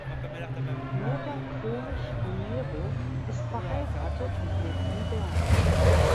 Nora Kronig Romero ist verheiratet und lebt in Bern.